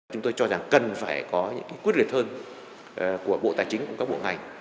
chúng tôi cho rằng cần phải có những quyết liệt hơn của bộ tài chính của các bộ ngành